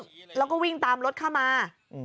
แล้วก็วิ่งตามรถเข้ามา